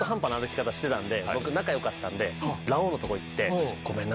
してたんで僕仲良かったんでラオウのとこ行って。